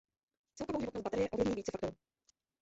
Celkovou životnost baterie ovlivní více faktoru.